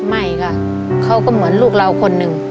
ไม่ค่ะเขาก็เหมือนลูกเราคนหนึ่ง